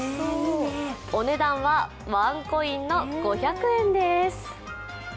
お値段はワンコインの５００円です。